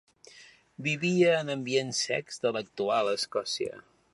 Vivia en ambients secs de l'actual Escòcia.